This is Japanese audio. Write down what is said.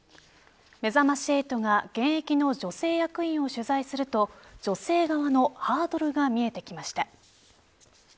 めざまし８が現役の女性役員を取材すると女性側のハードルが見えてきました。